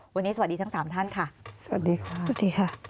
วันนี้สวัสดีทั้งสามท่านค่ะสวัสดีค่ะสวัสดีค่ะ